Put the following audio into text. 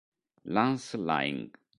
Lance Laing